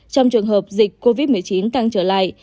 trong trường hợp dịch covid một mươi chín tăng trở lại